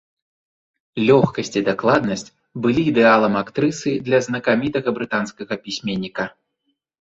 Лёгкасць і дакладнасць былі ідэалам актрысы для знакамітага брытанскага пісьменніка.